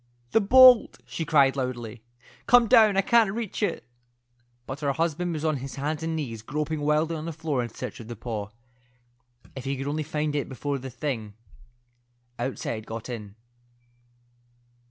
"The bolt," she cried, loudly. "Come down. I can't reach it." But her husband was on his hands and knees groping wildly on the floor in search of the paw. If he could only find it before the thing outside got in.